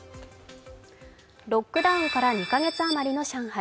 ロックダウンから２カ月余りの上海。